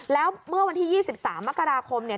แล้วเมื่อวันที่๒๓มกราคมเนี่ย